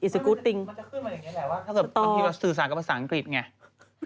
มันจะขึ้นมาอย่างนี้แหละว่าถ้าเกิดสื่อสารกับภาษาอังกฤษไง